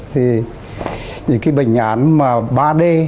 thì những cái bệnh án mà ba d